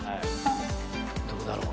どうだろう？